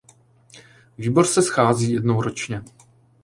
Výbor se schází jednou ročně.